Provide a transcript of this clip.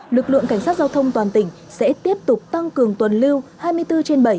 lực lượng cảnh sát giao thông toàn tỉnh sẽ tiếp tục tăng cường tuần lưu hai mươi bốn trên bảy